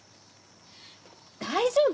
大丈夫！